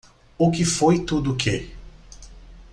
O que foi tudo que?